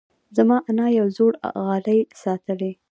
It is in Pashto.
زما انا یو زوړ غالۍ ساتلی دی.